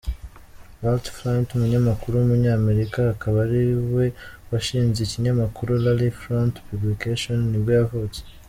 Larry Flynt, umunyamakuru w’umunyamerika akaba ariwe washinze ikinyamakuru Larry Flynt Publications nibwo yavutse.